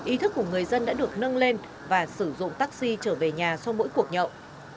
ý thức của người dân đã được nâng lên và sử dụng taxi trở về nhà sau mỗi cuộc nhậu